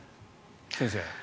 先生。